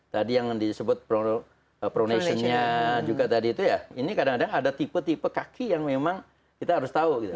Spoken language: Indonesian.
tadi yang disebut pronation nya juga tadi itu ya ini kadang kadang ada tipe tipe kaki yang memang kita harus tahu gitu